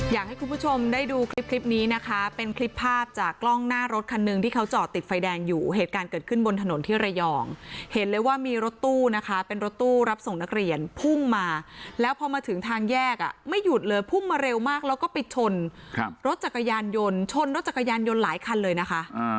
อยากให้คุณผู้ชมได้ดูคลิปนี้นะคะเป็นคลิปภาพจากกล้องหน้ารถคันหนึ่งที่เขาจอดติดไฟแดงอยู่เหตุการณ์เกิดขึ้นบนถนนที่ระยองเห็นเลยว่ามีรถตู้นะคะเป็นรถตู้รับส่งนักเรียนพุ่งมาแล้วพอมาถึงทางแยกอ่ะไม่หยุดเลยพุ่งมาเร็วมากแล้วก็ไปชนรถจักรยานยนต์ชนรถจักรยานยนต์หลายคันเลยนะคะ